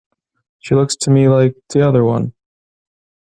She looks to me like t'other one.